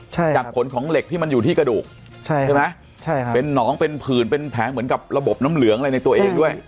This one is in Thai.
ใช่จากผลของเหล็กที่มันอยู่ที่กระดูกใช่ใช่ไหมใช่ค่ะเป็นหนองเป็นผื่นเป็นแผลเหมือนกับระบบน้ำเหลืองอะไรในตัวเองด้วย